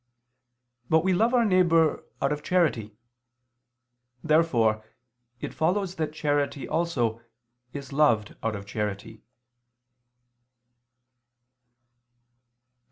But we love our neighbor out of charity. Therefore it follows that charity also is loved out of charity.